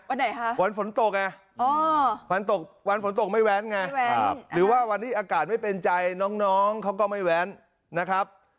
วันไหนคะวันฝนตกไงวันตกวันฝนตกไม่แว้นไงหรือว่าวันนี้อากาศไม่เป็นใจน้องเขาก็ไม่แว้นนะครับ